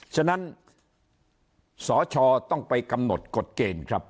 ฉะนั้นสชต้องไปกำหนดกฎเกณฑ์ครับ